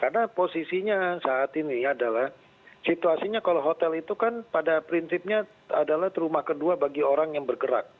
karena posisinya saat ini adalah situasinya kalau hotel itu kan pada prinsipnya adalah rumah kedua bagi orang yang bergerak